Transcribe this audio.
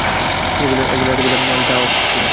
তিনি বলেন, একদিন রাতের বেলায় আমি তাওয়াফ করছিলাম।